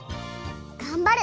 がんばる。